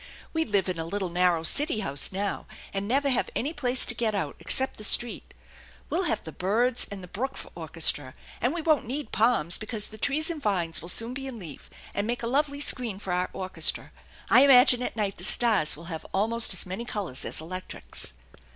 We live in a little narrow city house now, and never have any place to get out except the street. We'll have the birds and the brook for orchestra, and we won't need palms, because the trees and vines will soon be in leaf and make a lovely screen for our orchestra. I imagine at night the stars will have almost as many colors as electrics."